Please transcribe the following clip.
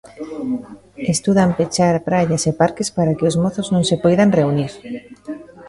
Estudan pechar praias e parques para que os mozos non se poidan reunir.